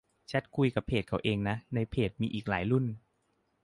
แชตคุยกับเพจเขาเองนะ ในเพจมีอีกหลายรุ่น